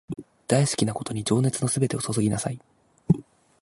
大好きなことに情熱のすべてを注ぎなさい